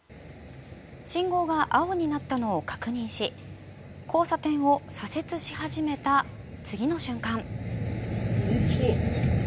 信号が青になったのを確認し交差点を左折し始めた次の瞬間。